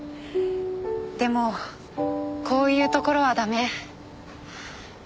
でもこういうところは駄目。